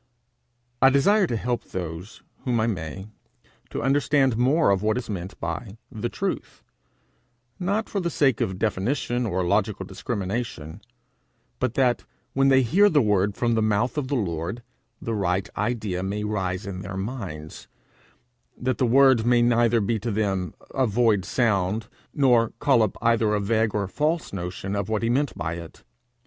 I desire to help those whom I may to understand more of what is meant by the truth, not for the sake of definition, or logical discrimination, but that, when they hear the word from the mouth of the Lord, the right idea may rise in their minds; that the word may neither be to them a void sound, nor call up either a vague or false notion of what he meant by it.